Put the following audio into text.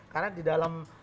karena di dalam